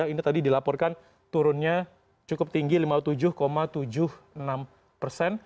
ini tadi dilaporkan turunnya cukup tinggi lima puluh tujuh tujuh puluh enam persen